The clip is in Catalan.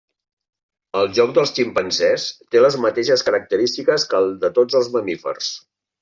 El joc dels ximpanzés té les mateixes característiques que el de tots els mamífers.